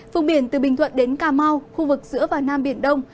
vùng biển từ bình thuận đến cà mau khu vực giữa và nam biển đông